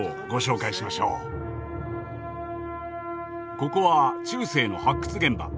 ここは中世の発掘現場。